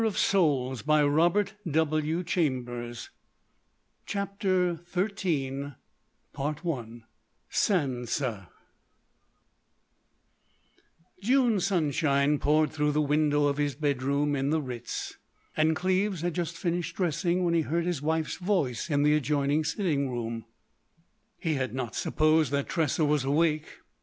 May I not,—may I not,—not, not, not——" CHAPTER XIII SA N'SA June sunshine poured through the window of his bedroom in the Ritz; and Cleves had just finished dressing when he heard his wife's voice in the adjoining sitting room. He had not supposed that Tressa was awake.